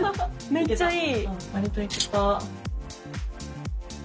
めっちゃいい。